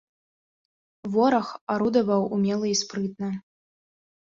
Вораг арудаваў умела і спрытна.